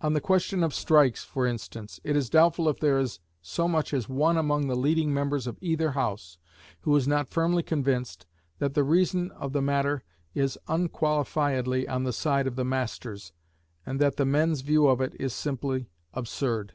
On the question of strikes, for instance, it is doubtful if there is so much as one among the leading members of either House who is not firmly convinced that the reason of the matter is unqualifiedly on the side of the masters, and that the men's view of it is simply absurd.